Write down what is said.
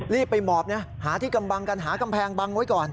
รีบไปหมอบหาที่กำบังกันหากำแพงบังไว้ก่อน